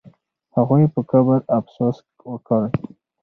هغوی په قبر افسوس وکړ.